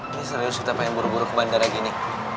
ini serius kita pengen buru buru ke bandara gini